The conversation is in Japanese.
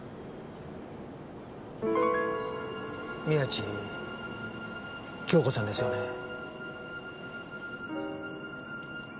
宮地杏子さんですよね。